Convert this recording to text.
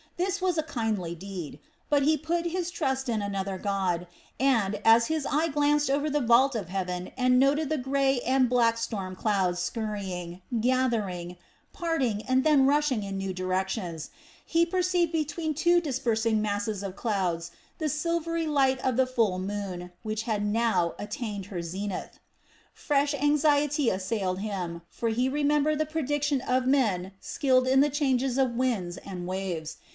This was a kindly deed; but he put his trust in another God and, as his eye glanced over the vault of heaven and noted the grey and black storm clouds scurrying, gathering, parting, and then rushing in new directions, he perceived between two dispersing masses of clouds the silvery light of the full moon, which had now attained her zenith. Fresh anxiety assailed him; for he remembered the prediction of men skilled in the changes of winds and waves.